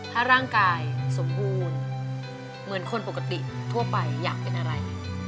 ถ้าร่างกายสมบูรณ์เหมือนคนปกติทั่วไปอยากเป็นอะไร